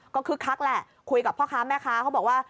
ก็คึกคักแหละคุยกับพ่อค้าแม่ค้าเขาบอกว่า